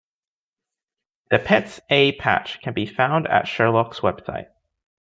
The Petz A patch can be found at Sherlock's website.